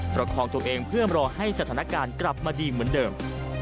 ประคองตัวเองเพื่อรอให้สถานการณ์กลับมาดีเหมือนเดิม